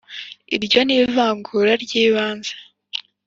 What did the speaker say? Iryo ni ivangura ry'ibanze